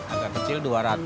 agak kecil dua ratus